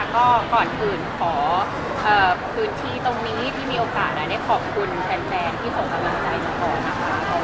ก่อนกลิ่นขอพื้นทีตรงนี้ที่มีโอกาสได้ขอบคุณแฟนแฟนที่ส่งกำลังใจนะครับ